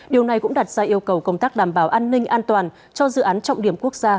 điều này cũng đặt ra yêu cầu công tác đảm bảo an ninh an toàn cho dự án trọng điểm quốc gia